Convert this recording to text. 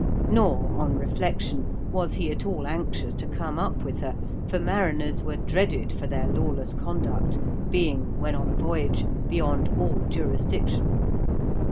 Nor on reflection was he at all anxious to come up with her, for mariners were dreaded for their lawless conduct, being, when on a voyage, beyond all jurisdiction.